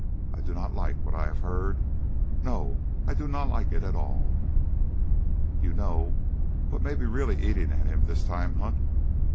I do not like what I have heard, no, I do not like it at all." "You know what may be really eating at him this time, Hunt?"